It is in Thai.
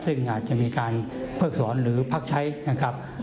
ซึ่งอาจจะมีการเพิกสอนหรือพักใช้นะครับ